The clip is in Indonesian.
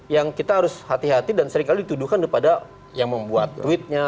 yang kita harus hati hati dan seringkali dituduhkan daripada yang membuat tweet nya